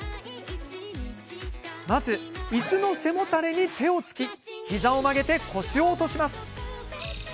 まず、いすの背もたれに手をつき膝を曲げて腰を落とします。